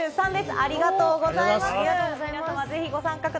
ありがとうございます。